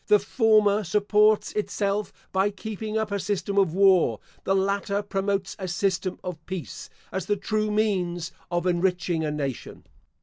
The former supports itself by keeping up a system of war; the latter promotes a system of peace, as the true means of enriching a nation.